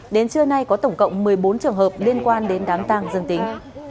đến trưa nay có tổng cộng một mươi bốn trường hợp liên quan đến đám tang dương tính